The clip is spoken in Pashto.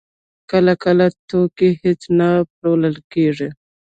کله کله توکي هېڅ نه پلورل کېږي